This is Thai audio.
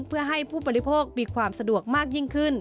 เพื่อให้ผู้บริโภคมีความสะดวกมากยิ่งขึ้น